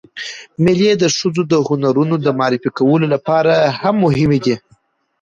مېلې د ښځو د هنرونو د معرفي کولو له پاره هم مهمې دي.